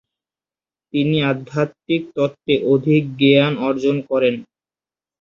তিনি আধ্যাত্মিক তত্ত্বে অধিক জ্ঞান অর্জন করেন।